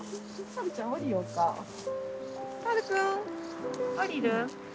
・はるくん降りる？